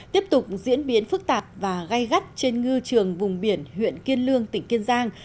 tiếp tục diễn biến phức tạp và gai gắt trên ngư trường vùng biển huyện kiên lương tỉnh kiên giang